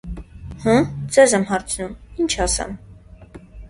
Հը՞, ձեզ եմ հարցնում, ի՞նչ ասեմ: